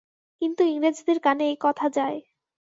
কিন্তু ইংরেজদের কানে এই কথা যায়।